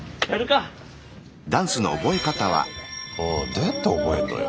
どうやって覚えんのよ？